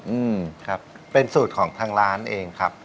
อืมครับเป็นสูตรของทางร้านเองครับ